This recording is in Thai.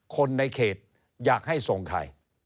คนในเขตอยากให้ส่งใคร